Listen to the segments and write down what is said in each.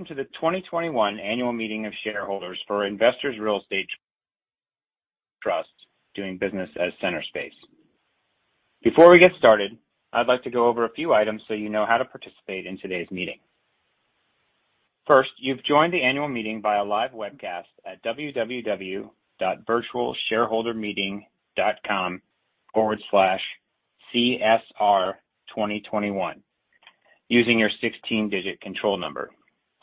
Hello everyone, welcome to the 2021 Annual Meeting of Shareholders for Investors Real Estate Trust, doing business as Centerspace. Before we get started, I'd like to go over a few items so you know how to participate in today's meeting. First, you've joined the Annual Meeting via live webcast at www.virtualshareholdermeeting.com/csr2021 using your 16-digit control number.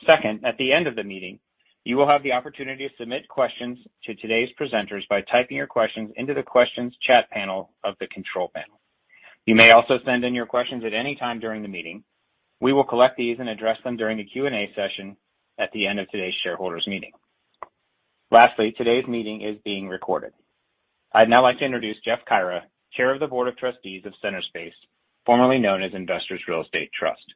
Second, at the end of the meeting, you will have the opportunity to submit questions to today's presenters by typing your questions into the questions chat panel of the control panel. You may also send in your questions at any time during the meeting. We will collect these and address them during a Q&A session at the end of today's shareholders' meeting. Lastly, today's meeting is being recorded. I'd now like to introduce Jeff Caira, Chair of the Board of Trustees of Centerspace, formerly known as Investors Real Estate Trust.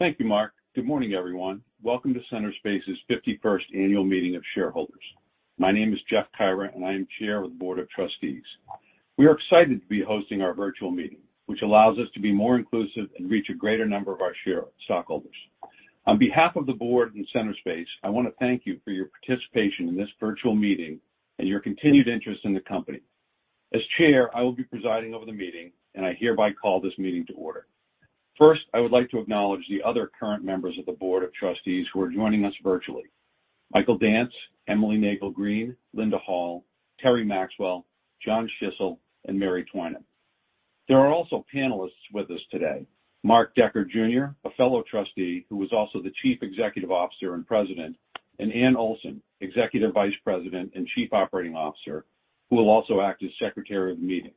Thank you, Mark. Good morning, everyone. Welcome to Centerspace's 51st Annual Meeting of Shareholders. My name is Jeff Caira, and I am Chair of the Board of Trustees. We are excited to be hosting our virtual meeting, which allows us to be more inclusive and reach a greater number of our shareholders. On behalf of the Board and Centerspace, I want to thank you for your participation in this virtual meeting and your continued interest in the company. As Chair, I will be presiding over the meeting, and I hereby call this meeting to order. First, I would like to acknowledge the other current members of the Board of Trustees who are joining us virtually: Michael Dance, Emily Nagle Green, Linda Hall, Terry Maxwell, John Schissel, and Mary Twinem. There are also panelists with us today, Mark Decker, Jr., a fellow Trustee who is also the Chief Executive Officer and President, and Anne Olson, Executive Vice President and Chief Operating Officer, who will also act as secretary of the meeting.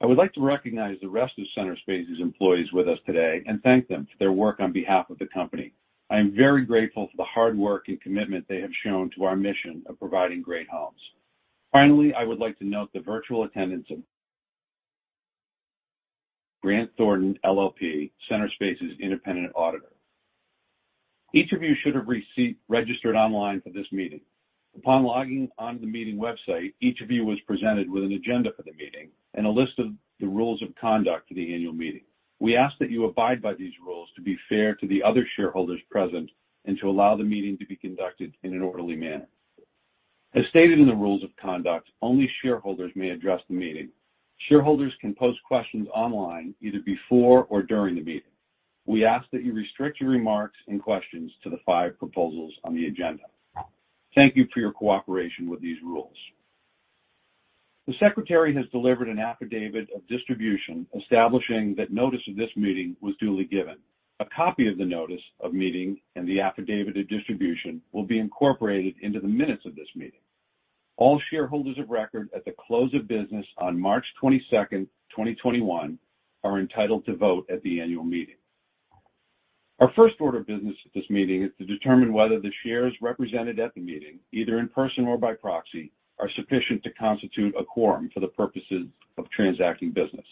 I would like to recognize the rest of Centerspace's employees with us today and thank them for their work on behalf of the company. I am very grateful for the hard work and commitment they have shown to our mission of providing great homes. Finally, I would like to note the virtual attendance of Grant Thornton LLP, Centerspace's independent auditor. Each of you should have registered online for this meeting. Upon logging on to the meeting website, each of you was presented with an agenda for the meeting and a list of the rules of conduct for the Annual Meeting. We ask that you abide by these rules to be fair to the other shareholders present and to allow the meeting to be conducted in an orderly manner. As stated in the rules of conduct, only shareholders may address the meeting. Shareholders can post questions online either before or during the meeting. We ask that you restrict your remarks and questions to the five proposals on the agenda. Thank you for your cooperation with these rules. The Secretary has delivered an affidavit of distribution establishing that notice of this meeting was duly given. A copy of the Notice of Meeting and the Affidavit of Distribution will be incorporated into the minutes of this meeting. All shareholders of record at the close of business on March 22nd, 2021, are entitled to vote at the Annual Meeting. Our first order of business at this meeting is to determine whether the shares represented at the meeting, either in person or by proxy, are sufficient to constitute a quorum for the purposes of transacting business.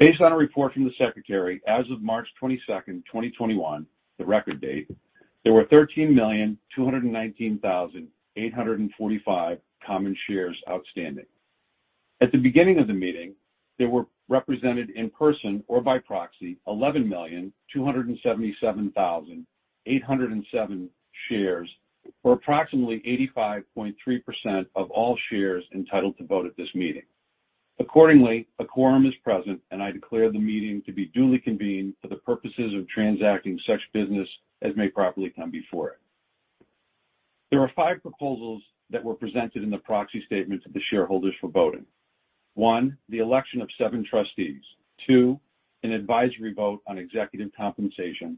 Based on a report from the Secretary, as of March 22nd, 2021, the record date, there were 13,219,825 common shares outstanding. At the beginning of the meeting, there were represented in person or by proxy 11,277,807 shares, or approximately 85.3% of all shares entitled to vote at this meeting. Accordingly, a quorum is present, and I declare the meeting to be duly convened for the purposes of transacting such business as may properly come before it. There are five proposals that were presented in the proxy statement to the shareholders for voting. One, the election of seven trustees. Two, an advisory vote on executive compensation.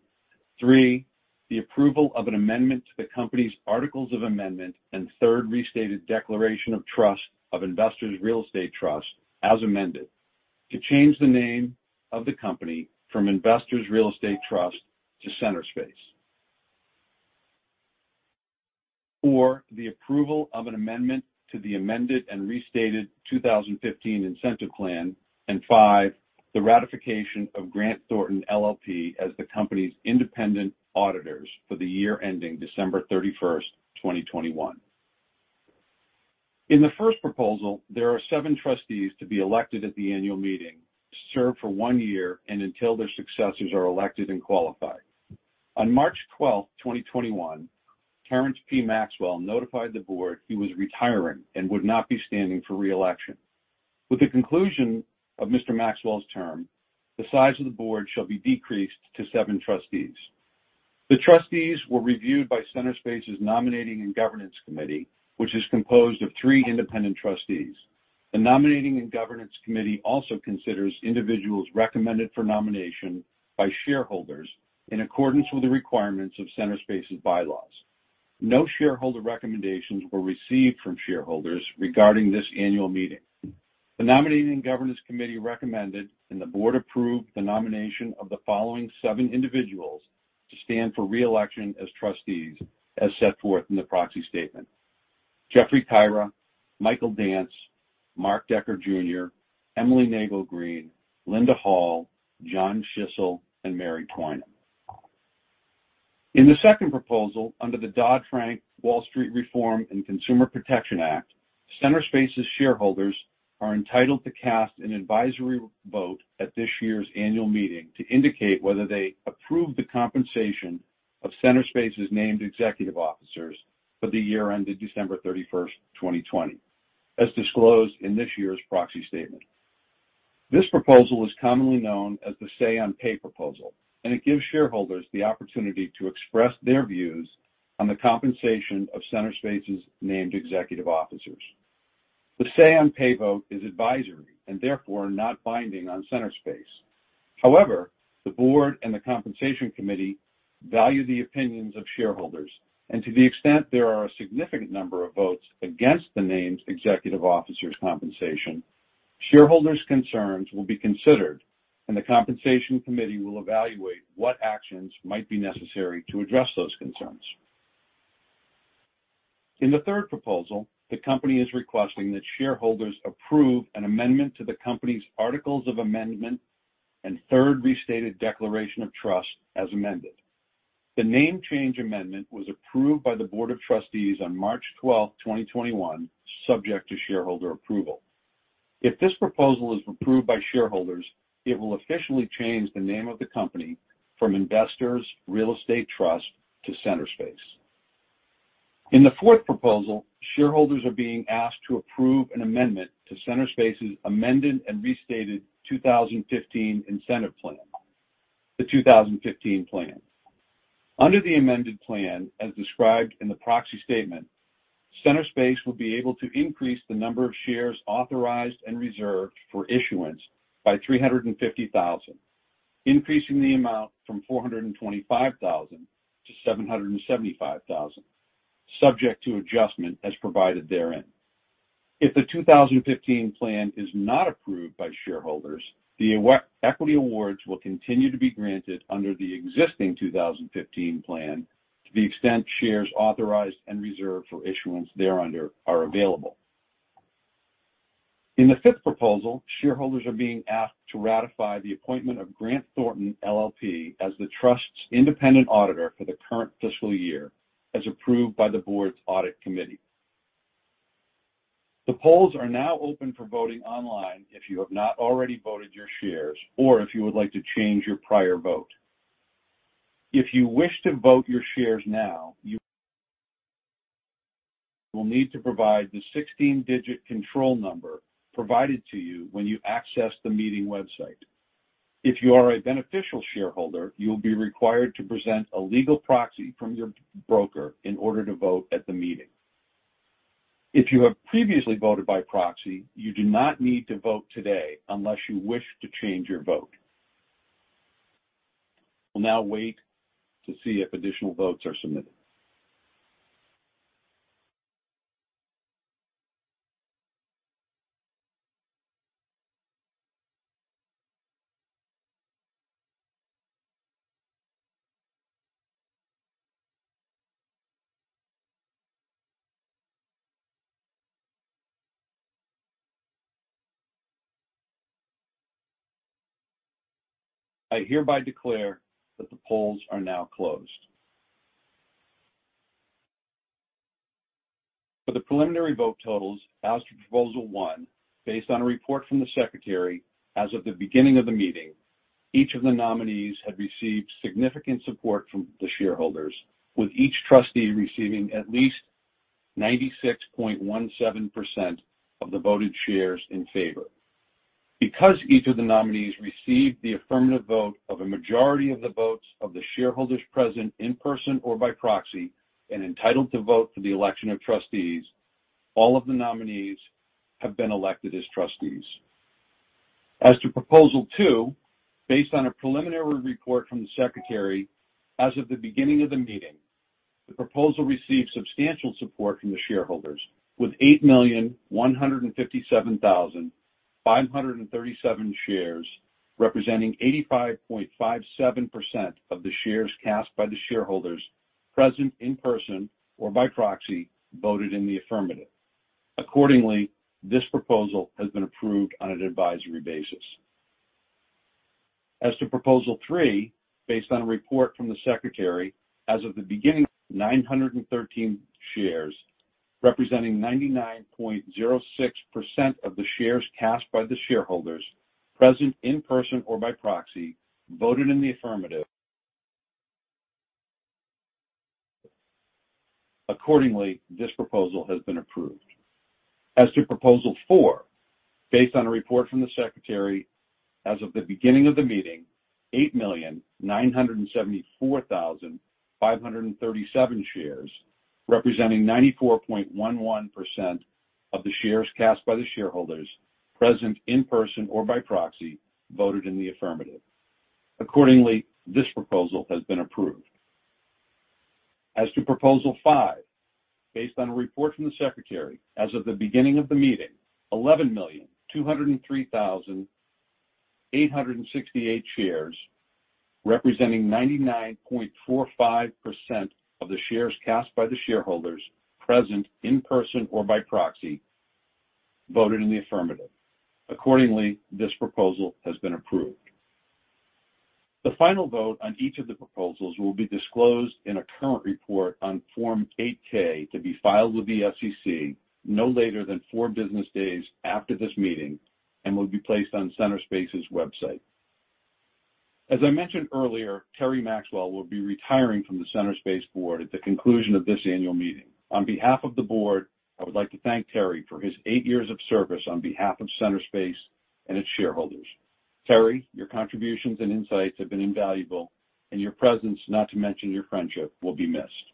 Three, the approval of an amendment to the company's Articles of Amendment and Third Restated Declaration of Trust of Investors Real Estate Trust, as amended, to change the name of the company from Investors Real Estate Trust to Centerspace. Four, the approval of an Amendment to the Amended and Restated 2015 Incentive Plan. Five, the ratification of Grant Thornton LLP as the company's independent auditors for the year ending December 31st, 2021. In the first proposal, there are seven trustees to be elected at the Annual Meeting to serve for one year and until their successors are elected and qualified. On March 12, 2021, Terrance P. Maxwell notified the board he was retiring and would not be standing for re-election. With the conclusion of Mr. Maxwell's term, the size of the board shall be decreased to seven trustees. The trustees were reviewed by Centerspace's Nominating and Governance Committee, which is composed of three independent trustees. The Nominating and Governance Committee also considers individuals recommended for nomination by shareholders in accordance with the requirements of Centerspace's bylaws. No shareholder recommendations were received from shareholders regarding this Annual Meeting. The Nominating and Governance Committee recommended and the board approved the nomination of the following seven individuals to stand for re-election as trustees as set forth in the proxy statement, Jeffrey Caira, Michael Dance, Mark Decker, Jr., Emily Nagle Green, Linda Hall, John Schissel, and Mary Twinem. In the second proposal, under the Dodd-Frank Wall Street Reform and Consumer Protection Act, Centerspace's shareholders are entitled to cast an advisory vote at this year's Annual Meeting to indicate whether they approve the compensation of Centerspace's named executive officers for the year ended December 31st, 2020, as disclosed in this year's proxy statement. This proposal is commonly known as the Say-on-Pay proposal, and it gives shareholders the opportunity to express their views on the compensation of Centerspace's named executive officers. The Say-on-Pay vote is advisory and therefore not binding on Centerspace. However, the Board and the Compensation Committee value the opinions of shareholders, and to the extent there are a significant number of votes against the named executive officers' compensation, shareholders' concerns will be considered, and the Compensation Committee will evaluate what actions might be necessary to address those concerns. In the third proposal, the company is requesting that shareholders approve an amendment to the company's Articles of Amendment and Third Restated Declaration of Trust as amended. The name change amendment was approved by the Board of Trustees on March 12th, 2021, subject to shareholder approval. If this proposal is approved by shareholders, it will officially change the name of the company from Investors Real Estate Trust to Centerspace. In the fourth proposal, shareholders are being asked to approve an amendment to Centerspace's Amended and Restated 2015 Incentive Plan, the 2015 plan. Under the amended plan, as described in the proxy statement, Centerspace will be able to increase the number of shares authorized and reserved for issuance by 350,000, increasing the amount from 425,000 to 775,000, subject to adjustment as provided therein. If the 2015 plan is not approved by shareholders, the equity awards will continue to be granted under the existing 2015 plan to the extent shares authorized and reserved for issuance thereunder are available. In the fifth proposal, shareholders are being asked to ratify the appointment of Grant Thornton LLP as the trust's independent auditor for the current fiscal year, as approved by the board's Audit Committee. The polls are now open for voting online if you have not already voted your shares or if you would like to change your prior vote. If you wish to vote your shares now, you will need to provide the 16-digit control number provided to you when you access the meeting website. If you are a beneficial shareholder, you'll be required to present a legal proxy from your broker in order to vote at the meeting. If you have previously voted by proxy, you do not need to vote today unless you wish to change your vote. We will now wait to see if additional votes are submitted. I hereby declare that the polls are now closed. For the preliminary vote totals as to proposal one, based on a report from the secretary as of the beginning of the meeting, each of the nominees have received significant support from the shareholders, with each trustee receiving at least 96.17% of the voted shares in favor. Because each of the nominees received the affirmative vote of a majority of the votes of the shareholders present in person or by proxy and entitled to vote for the election of trustees, all of the nominees have been elected as trustees. As to proposal two, based on a preliminary report from the secretary as of the beginning of the meeting, the proposal received substantial support from the shareholders with 8,157,537 shares, representing 85.57% of the shares cast by the shareholders present in person or by proxy voted in the affirmative. Accordingly, this proposal has been approved on an advisory basis. As to proposal three, based on a report from the secretary as of the beginning, 913 shares, representing 99.06% of the shares cast by the shareholders present in person or by proxy, voted in the affirmative. Accordingly, this proposal has been approved. As to proposal four, based on a report from the secretary as of the beginning of the meeting, 8,974,537 shares, representing 94.11% of the shares cast by the shareholders present in person or by proxy, voted in the affirmative. Accordingly, this proposal has been approved. As to proposal five, based on a report from the secretary as of the beginning of the meeting, 11,203,868 shares, representing 99.45% of the shares cast by the shareholders present in person or by proxy, voted in the affirmative. Accordingly, this proposal has been approved. The final vote on each of the proposals will be disclosed in a current report on Form 8-K to be filed with the SEC no later than four business days after this meeting and will be placed on Centerspace's website. As I mentioned earlier, Terry Maxwell will be retiring from the Centerspace board at the conclusion of this Annual Meeting. On behalf of the board, I would like to thank Terry for his eight years of service on behalf of Centerspace and its shareholders. Terry, your contributions and insights have been invaluable, and your presence, not to mention your friendship, will be missed.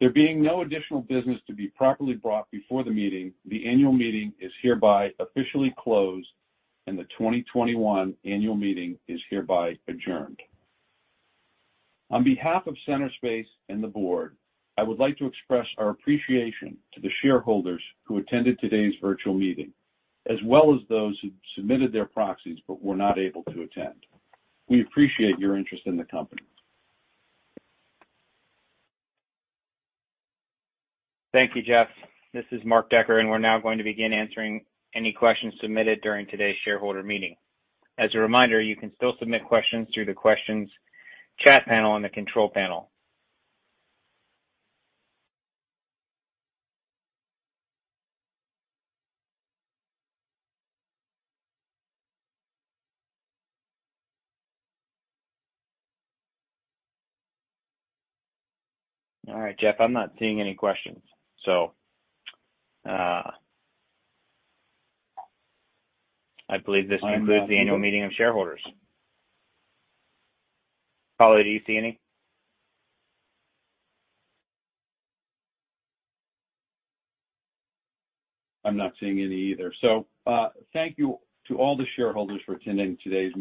There being no additional business to be properly brought before the meeting, the Annual Meeting is hereby officially closed, and the 2021 Annual Meeting is hereby adjourned. On behalf of Centerspace and the board, I would like to express our appreciation to the shareholders who attended today's virtual meeting, as well as those who submitted their proxies but were not able to attend. We appreciate your interest in the company. Thank you, Jeff. This is Mark Decker. We're now going to begin answering any questions submitted during today's shareholder meeting. As a reminder, you can still submit questions through the questions chat panel in the control panel. All right, Jeff, I'm not seeing any questions, I believe this concludes the Annual Meeting of shareholders. Paula, do you see any? I'm not seeing any either. Thank you to all the shareholders for attending today's.